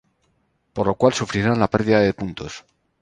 Por lo cual sufrirán la perdida de puntos.